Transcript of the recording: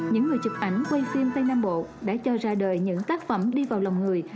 những người chụp ảnh quay phim tây nam bộ đã cho ra đời những tác phẩm đi vào lòng người